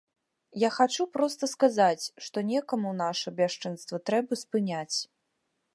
Я хачу проста сказаць, што некаму наша бясчынства трэба спыняць.